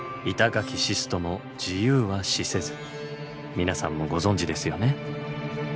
皆さんもご存じですよね？